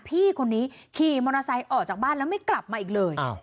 พี่คนนี้ขี่มอเตอร์ไซค์ออกจากบ้านแล้วไม่กลับมาอีกเลย